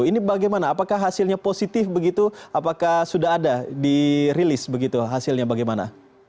ini bagaimana apakah hasilnya positif begitu apakah sudah ada dirilis begitu hasilnya bagaimana